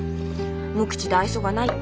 無口で愛想がないって。